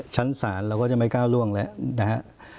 ชั้นศาลแล้วก็จะไม่กล้าล่วงแล้วนะฮะ